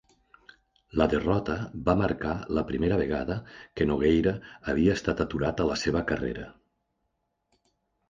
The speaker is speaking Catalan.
La derrota va marcar la primera vegada que Nogueira havia estat aturat a la seva carrera.